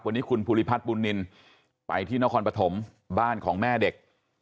วันนี้คุณภูริพัฒน์บุญนินไปที่นครปฐมบ้านของแม่เด็ก